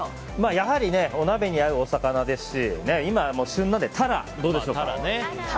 やはり、お鍋に合うお魚ですし今旬なのでタラどうでしょうか。